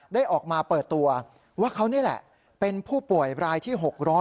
ได้ออกมาเปิดตัวว่าเขานี่แหละเป็นผู้ป่วยรายที่๖๐๐